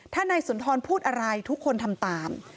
ถ้านายสุนทรพูดอะไรทุกคนทำตาม